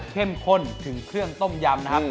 เข้มข้นถึงเครื่องต้มยำนะครับ